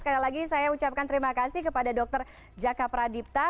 sekali lagi saya ucapkan terima kasih kepada dr jaka pradipta